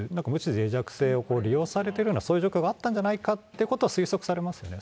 意思ぜい弱性を利用されている、そういう状況があったんじゃないかということが推測されますよね。